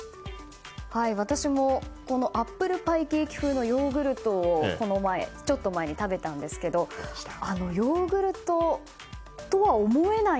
私もこのアップルパイケーキ風のヨーグルトをこの前食べたんですけれどもヨーグルトとは思えない